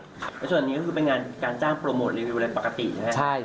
แล้วส่วนนี้ก็คือเป็นงานการจ้างโปรโมทรีวิวอะไรปกตินะครับ